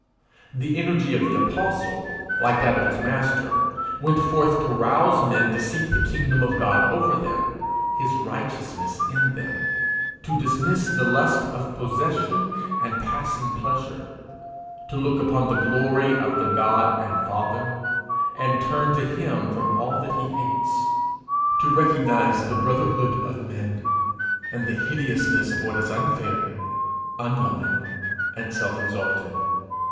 The energy of the apostle, like that of his master, went forth to rouse men to seek the kingdom of God over them, his righteousness in them; to dismiss the lust of possession and passing pleasure; to look upon the glory of the God and Father, and turn to him from all that he hates; to recognize the brotherhood of men, and the hideousness of what is unfair, unloving, and self exalting.